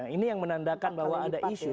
ini yang menandakan bahwa ada isu